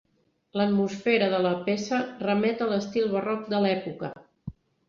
L'atmosfera de la peça remet a l'estil barroc de l'època.